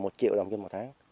một triệu đồng trên một tháng